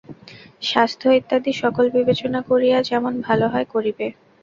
স্বাস্থ্য ইত্যাদি সকল বিবেচনা করিয়া যেমন ভাল হয় করিবে।